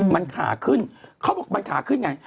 มันขาขึ้นเขาบอกมันขาขึ้นไง